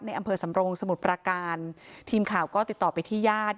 อำเภอสำรงสมุทรประการทีมข่าวก็ติดต่อไปที่ญาติ